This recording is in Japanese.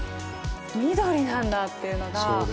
緑なんだっていうのが。